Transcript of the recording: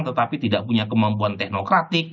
tetapi tidak punya kemampuan teknokratik